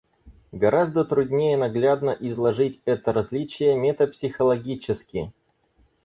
Гораздо труднее наглядно изложить это различие метапсихологически.